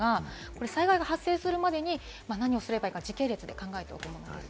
災害が発生するまでに何をすればいいか時系列で考えておくものです。